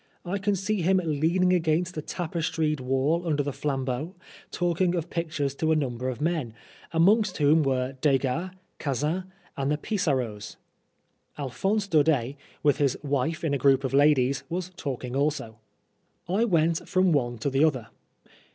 I can see him leaning against the tapestried wall under the flambeaux, talking of pictures to a number of men, amongst whom were Degas, Cazin, and the Pizarros. Alphonse Daudet, with his wife in a group of ladies, was talking also. I went from one to the other.